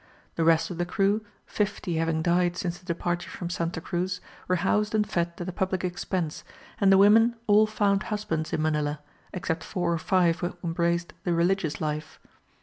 The rest of the crew, fifty having died since the departure from Santa Cruz, were housed and fed at the public expense, and the women all found husbands in Manilla, except four or five who embraced the religious life.